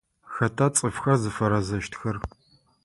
Хэта цӏыфхэр зыфэрэзэщтхэр?